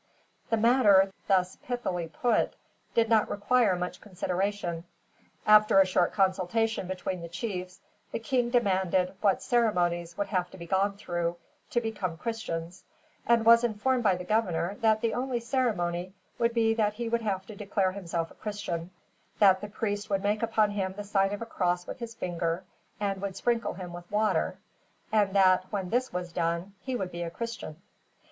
The matter, thus pithily put, did not require much consideration. After a short consultation between the chiefs, the king demanded what ceremonies would have to be gone through, to become Christians; and was informed, by the governor, that the only ceremony would be that he would have to declare himself a Christian; that the priest would make upon him the sign of a cross with his finger, and would sprinkle him with water; and that, when this was done, he would be a Christian.